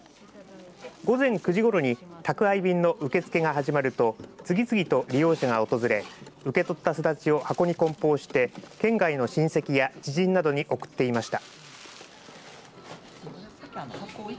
午前９時ごろに宅配便の受け付けが始まると次々と利用者が訪れ受け取ったスダチを箱にこん包して県外の親戚や知人などに送っていました。